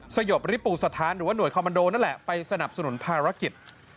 สยบริปูสถานหรือว่าหน่วยคอมมันโดนั่นแหละไปสนับสนุนภารกิจ